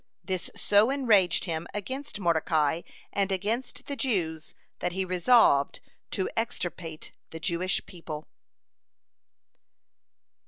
This so enraged him against Mordecai and against the Jews that he resolved to extirpate the Jewish people.